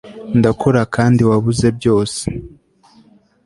ndakura kandi wabuze byose